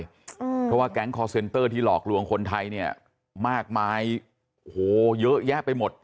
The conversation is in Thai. เพราะว่าแก๊งคอร์เซ็นเตอร์ที่หลอกลวงคนไทยเนี่ยมากมายโอ้โหเยอะแยะไปหมด